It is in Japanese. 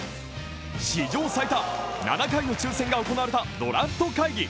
史上最多、７回の抽選が行われたドラフト会議。